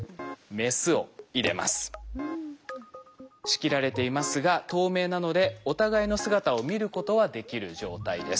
仕切られていますが透明なのでお互いの姿を見ることはできる状態です。